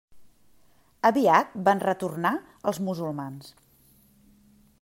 Aviat van retornar els musulmans.